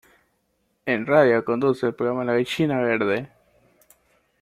En radio conduce el programa "La gallina verde".